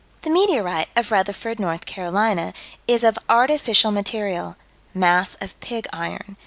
The meteorite of Rutherford, North Carolina, is of artificial material: mass of pig iron.